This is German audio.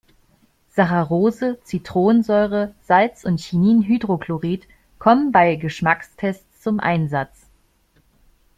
Saccharose, Zitronensäure, Salz und Chininhydrochlorid kommen bei Geschmackstests zum Einsatz.